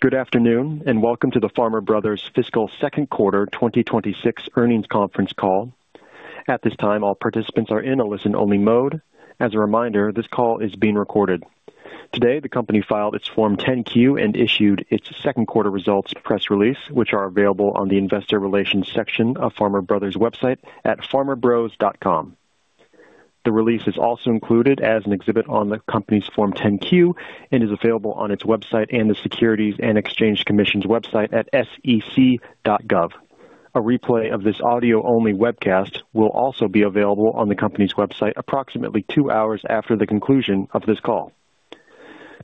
Good afternoon, and welcome to the Farmer Brothers Fiscal Second Quarter 2026 Earnings Conference Call. At this time, all participants are in a listen-only mode. As a reminder, this call is being recorded. Today, the company filed its Form 10-Q and issued its second quarter results press release, which are available on the investor relations section of Farmer Brothers website at farmerbros.com. The release is also included as an exhibit on the company's Form 10-Q and is available on its website and the Securities and Exchange Commission's website at sec.gov. A replay of this audio-only webcast will also be available on the company's website approximately two hours after the conclusion of this call.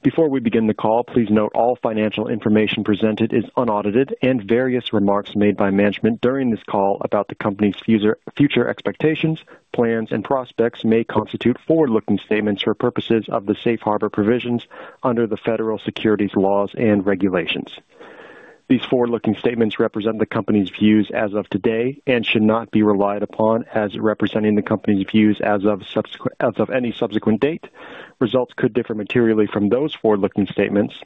Before we begin the call, please note all financial information presented is unaudited, and various remarks made by management during this call about the company's future, future expectations, plans and prospects may constitute forward-looking statements for purposes of the safe harbor provisions under the federal securities laws and regulations. These forward-looking statements represent the company's views as of today and should not be relied upon as representing the company's views as of any subsequent date. Results could differ materially from those forward-looking statements.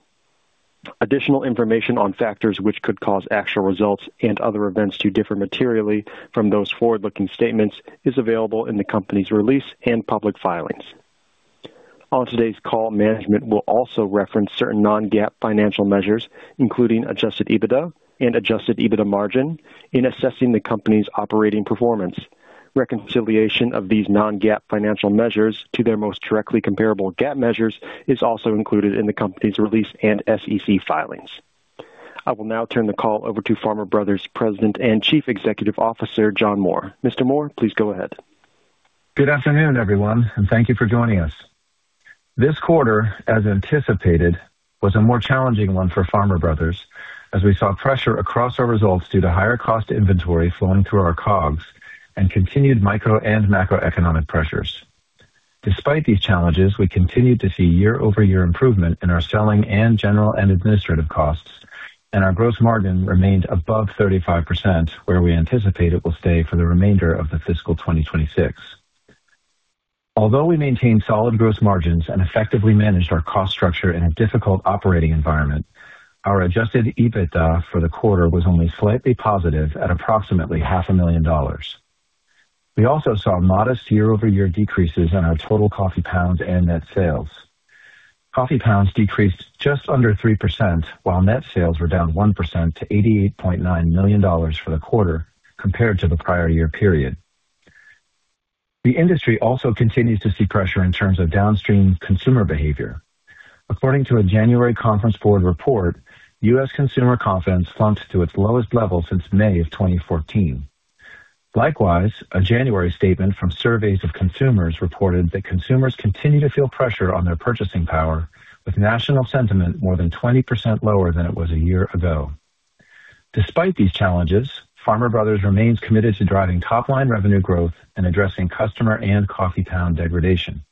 Additional information on factors which could cause actual results and other events to differ materially from those forward-looking statements is available in the company's release and public filings. On today's call, management will also reference certain non-GAAP financial measures, including Adjusted EBITDA and Adjusted EBITDA Margin in assessing the company's operating performance. Reconciliation of these non-GAAP financial measures to their most directly comparable GAAP measures is also included in the company's release and SEC filings. I will now turn the call over to Farmer Brothers President and Chief Executive Officer, John Moore. Mr. Moore, please go ahead. Good afternoon, everyone, and thank you for joining us. This quarter, as anticipated, was a more challenging one for Farmer Brothers as we saw pressure across our results due to higher cost inventory flowing through our COGS and continued micro and macroeconomic pressures. Despite these challenges, we continued to see year-over-year improvement in our selling and general and administrative costs, and our gross margin remained above 35%, where we anticipate it will stay for the remainder of the fiscal 2026. Although we maintained solid gross margins and effectively managed our cost structure in a difficult operating environment, our adjusted EBITDA for the quarter was only slightly positive at approximately $500,000. We also saw modest year-over-year decreases in our total coffee pounds and net sales. Coffee pounds decreased just under 3%, while net sales were down 1% to $88.9 million for the quarter compared to the prior year period. The industry also continues to see pressure in terms of downstream consumer behavior. According to a January Conference Board report, U.S. consumer confidence slumped to its lowest level since May 2014. Likewise, a January statement from surveys of consumers reported that consumers continue to feel pressure on their purchasing power, with national sentiment more than 20% lower than it was a year ago. Despite these challenges, Farmer Brothers remains committed to driving top line revenue growth and addressing customer and coffee pound degradation.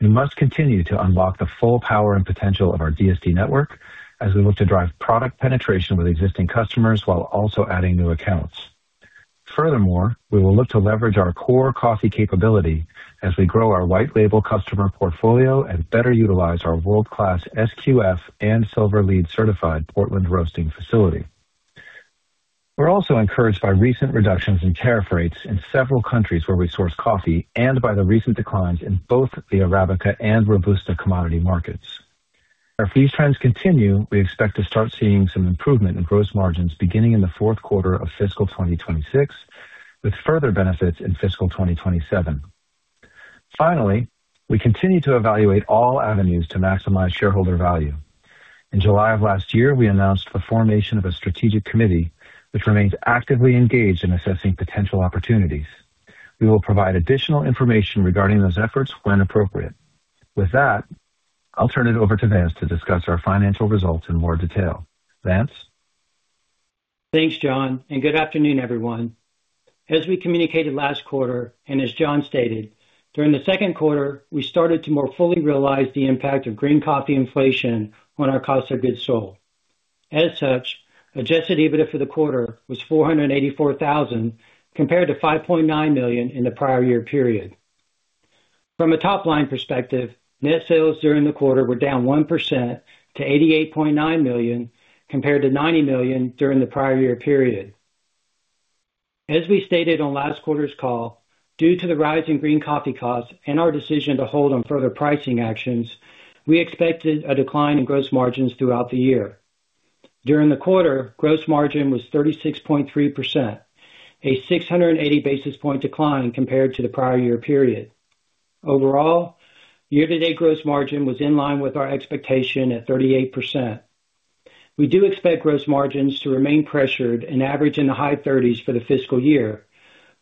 We must continue to unlock the full power and potential of our DSD network as we look to drive product penetration with existing customers while also adding new accounts. Furthermore, we will look to leverage our core coffee capability as we grow our white label customer portfolio and better utilize our world-class SQF and Silver LEED certified Portland roasting facility. We're also encouraged by recent reductions in tariff rates in several countries where we source coffee and by the recent declines in both the Arabica and Robusta commodity markets. If these trends continue, we expect to start seeing some improvement in gross margins beginning in the fourth quarter of fiscal 2026, with further benefits in fiscal 2027. Finally, we continue to evaluate all avenues to maximize shareholder value. In July of last year, we announced the formation of a strategic committee, which remains actively engaged in assessing potential opportunities. We will provide additional information regarding those efforts when appropriate. With that, I'll turn it over to Vance to discuss our financial results in more detail. Vance? Thanks, John, and good afternoon, everyone. As we communicated last quarter, and as John stated, during the second quarter, we started to more fully realize the impact of green coffee inflation on our cost of goods sold. As such, Adjusted EBITDA for the quarter was $484,000, compared to $5.9 million in the prior year period. From a top-line perspective, net sales during the quarter were down 1% to $88.9 million, compared to $90 million during the prior year period. As we stated on last quarter's call, due to the rising green coffee costs and our decision to hold on further pricing actions, we expected a decline in gross margins throughout the year. During the quarter, gross margin was 36.3%, a 680 basis point decline compared to the prior year period. Overall, year-to-date gross margin was in line with our expectation at 38%. We do expect gross margins to remain pressured and average in the high 30s for the fiscal year,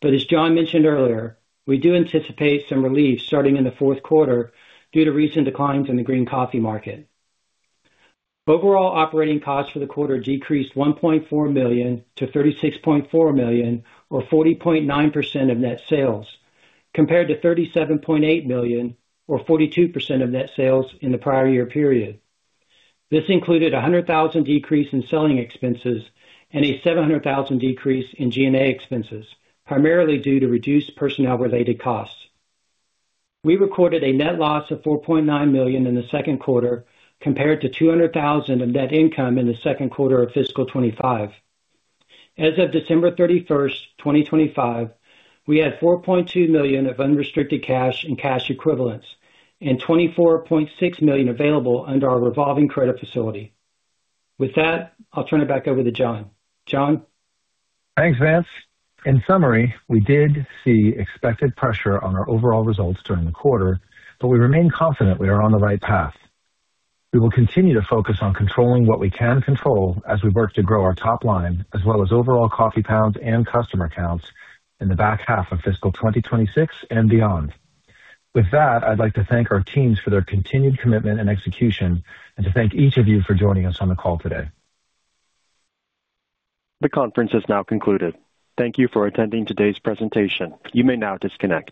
but as John mentioned earlier, we do anticipate some relief starting in the fourth quarter due to recent declines in the green coffee market. Overall, operating costs for the quarter decreased $1.4 million to $36.4 million, or 40.9% of net sales, compared to $37.8 million, or 42% of net sales in the prior year period. This included a $100,000 decrease in selling expenses and a $700,000 decrease in G&A expenses, primarily due to reduced personnel-related costs. We recorded a net loss of $4.9 million in the second quarter, compared to $200,000 of net income in the second quarter of fiscal 2025. As of December 31, 2025, we had $4.2 million of unrestricted cash and cash equivalents and $24.6 million available under our revolving credit facility. With that, I'll turn it back over to John. John? Thanks, Vance. In summary, we did see expected pressure on our overall results during the quarter, but we remain confident we are on the right path. We will continue to focus on controlling what we can control as we work to grow our top line, as well as overall coffee pounds and customer counts in the back half of fiscal 2026 and beyond. With that, I'd like to thank our teams for their continued commitment and execution and to thank each of you for joining us on the call today. The conference is now concluded. Thank you for attending today's presentation. You may now disconnect.